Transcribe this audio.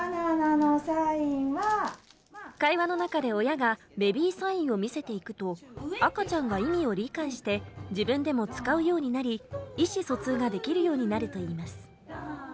会話の中で親がベビーサインを見せていくと、赤ちゃんが意味を理解して、自分でも使うようになり、意思疎通ができるようになるといいます。